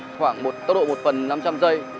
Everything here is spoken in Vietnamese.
khoảng tốc độ một phần năm trăm linh giây